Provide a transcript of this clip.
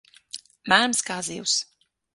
Mēms kā zivs.